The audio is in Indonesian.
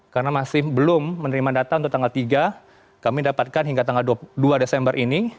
karena masih belum menerima data untuk tanggal tiga kami dapatkan hingga tanggal dua desember ini